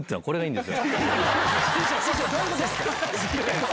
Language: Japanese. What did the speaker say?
師匠どういうことですか？